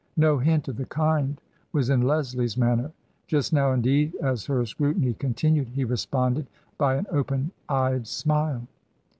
No hint of the kind was in Leslie's man ner. Just now, indeed, as her scrutiny continued, he responded by an open eyed smile.